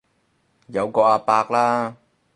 有個阿伯啦